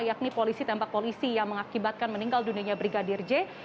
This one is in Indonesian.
yakni polisi tembak polisi yang mengakibatkan meninggal dunia brigadir j